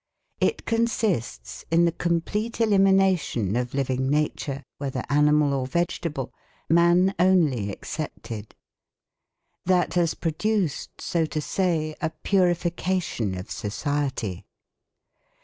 It consists in the complete elimination of living nature, whether animal or vegetable, man only excepted. That has produced, so to say, a purification of society.